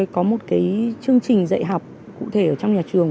có một chương trình dạy học cụ thể ở trong nhà trường